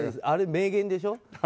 あれは名言でしょ？